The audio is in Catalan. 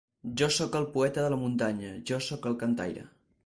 Jo sóc el poeta de la muntanya, jo sóc el cantaire.